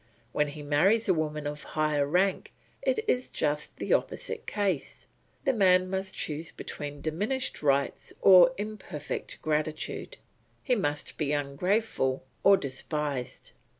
When he marries a woman of higher rank it is just the opposite case; the man must choose between diminished rights or imperfect gratitude; he must be ungrateful or despised.